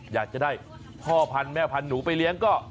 อยากจะได้พ่อพันธุ์แม่พันธุ์หนูไปเลี้ยงก็